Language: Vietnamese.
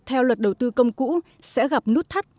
theo luật đầu tư công cũ sẽ gặp nút thắt